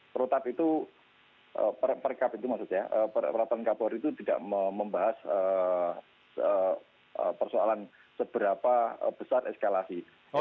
protak itu peraturan kapolri itu tidak membahas persoalan seberapa besar eskalasi